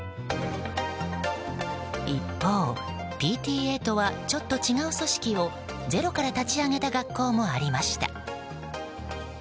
一方、ＰＴＡとはちょっと違う組織をゼロから立ち上げた学校もありました。